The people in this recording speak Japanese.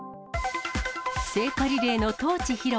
聖火リレーのトーチ披露。